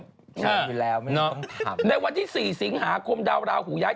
ใช่อยู่แล้วไม่ต้องทำในวันที่สี่สิงหาคมดาวราหูย้าย